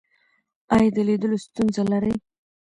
ایا د لیدلو ستونزه لرئ؟